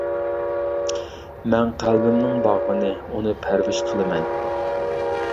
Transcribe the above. مەن قەلبىمنىڭ باغۋىنى، ئۇنى پەرۋىش قىلىمەن.